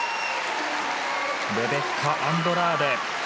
レベッカ・アンドラーデ。